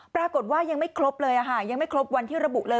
ปรากฏว่ายังไม่ครบเลยค่ะยังไม่ครบวันที่ระบุเลย